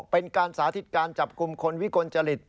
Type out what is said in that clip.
เป็นการสาธิตการจับกลุ่มคนวิกลจริต